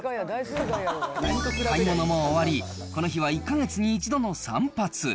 買い物も終わり、この日は１か月に一度の散髪。